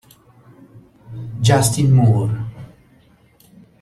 Justin Moore